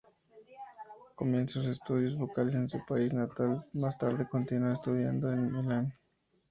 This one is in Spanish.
Comienza sus estudios vocales en su país natal, más tarde continúa estudiando en Milán.